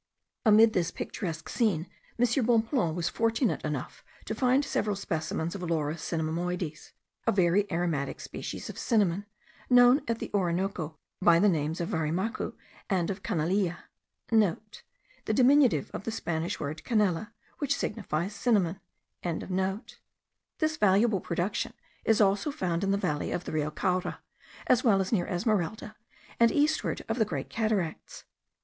Amid this picturesque scene M. Bonpland was fortunate enough to find several specimens of Laurus cinnamomoides, a very aromatic species of cinnamon, known at the Orinoco by the names of varimacu and of canelilla.* (* The diminutive of the Spanish word canela, which signifies cinnamon.) This valuable production is found also in the valley of the Rio Caura, as well as near Esmeralda, and eastward of the Great Cataracts.